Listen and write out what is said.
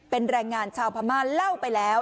เป็นแรงงานชาวพม่าเล่าไปแล้ว